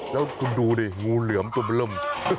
แล้วคุณดูดิงูเหลือมตัวมันเริ่ม